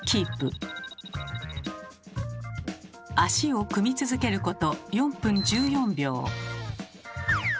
足を組み続けること４分１４秒。